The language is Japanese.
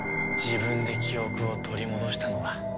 自分で記憶を取り戻したのは。